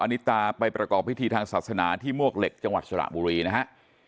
นิตาไปประกอบพิธีทางศาสนาที่มวกเหล็กจังหวัดสระบุรีนะฮะ